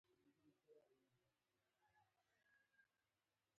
بایسکل چلول د سون موادو اړتیا کموي.